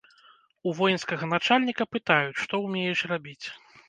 У воінскага начальніка пытаюць, што ўмееш рабіць.